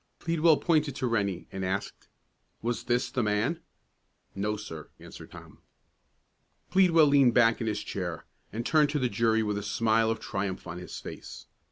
Pleadwell pointed to Rennie, and asked, "Was this the man?" "No, sir," answered Tom. Pleadwell leaned back in his chair, and turned to the jury with a smile of triumph on his face.